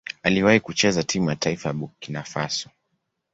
Aliwahi kucheza timu ya taifa ya Burkina Faso.